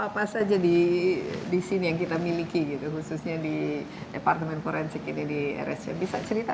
pas aja di disini yang kita miliki gitu khususnya di departemen forensik ini di rsc bisa cerita